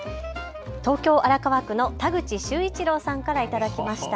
東京荒川区の田口修一郎さんから頂きました。